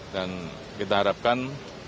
dan kita harapkan